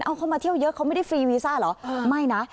เอาเข้ามาเที่ยวเยอะเขาไม่ได้ฟรีวีซ่าเหรอไม่นะ